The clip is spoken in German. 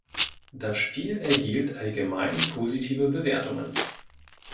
Das Spiel erhielt allgemein positive Bewertungen.